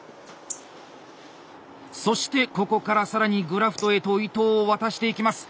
そしてここから更にグラフトへと糸を渡していきます。